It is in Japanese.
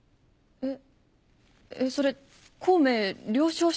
えっ？